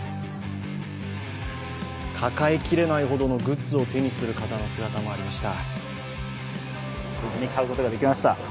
抱えきれないほどのグッズを手にする方の姿もありました。